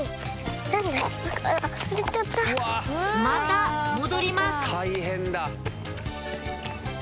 また戻ります